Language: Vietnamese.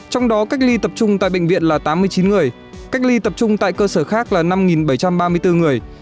trong đó cách ly tập trung tại bệnh viện là tám mươi chín người cách ly tập trung tại cơ sở khác là năm bảy trăm ba mươi bốn người